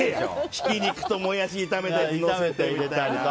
ひき肉とモヤシを炒めて入れたりとか。